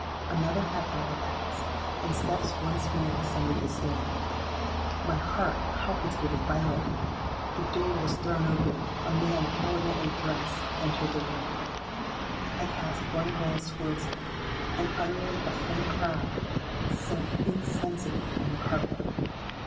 Another half hour passed; and steps once more ascended the stairs. My heart palpitated violently! The door was thrown open;—a man elegantly dressed entered the room;—I cast one glance towards him, and, uttering a faint cry, sank insensible on the carpet.